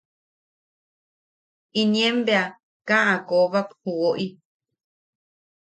Inien bea kaa a koobak ju woʼi.